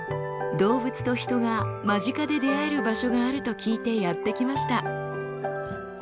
動物と人が間近で出会える場所があると聞いてやって来ました。